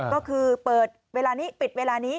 ก็คือเปิดเวลานี้ปิดเวลานี้